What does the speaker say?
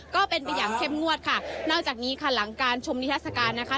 ก็เป็นไปอย่างเข้มงวดค่ะนอกจากนี้ค่ะหลังการชมนิทัศกาลนะคะ